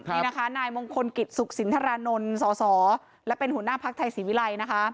นี่นะคะนายมงคลกิจสุขสินทรานนท์สสและเป็นหัวหน้าภักดิ์ไทยศรีวิรัยนะคะ